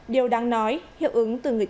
điều đáng nói hiệu ứng từ người dân